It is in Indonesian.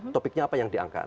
topiknya apa yang diangkat